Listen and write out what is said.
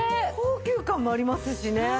高級感もありますしね。